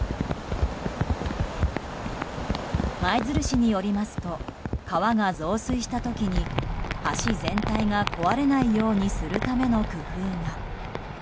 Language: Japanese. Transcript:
舞鶴市によりますと川が増水した時に橋全体が壊れないようにするための工夫が。